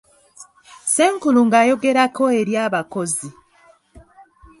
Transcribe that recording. Ssenkulu ng'ayogerako eri abakozi.